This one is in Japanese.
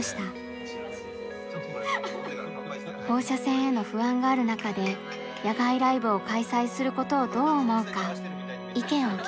放射線への不安がある中で野外ライブを開催することをどう思うか意見を聞きました。